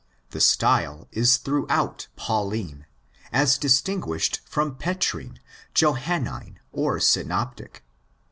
The style is throughout Pauline, as distinguished from Petrine, Johannine, or Synoptic.